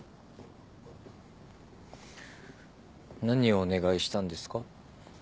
何をお願いしたんですか？